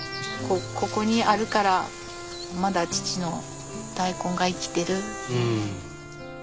ここにあるからまだ父の大根が生きてる。